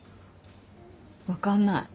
分かんない。